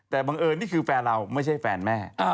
แต่บังเอิญนี่คือแฟนเราไม่ใช่แฟนแม่